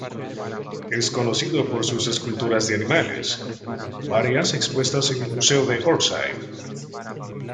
Es conocido por sus esculturas de animales, varias expuestas en el Museo de Orsay.